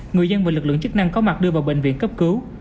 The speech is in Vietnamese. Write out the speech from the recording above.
người dân và lực lượng chức năng có mặt đưa vào bệnh viện cấp cứu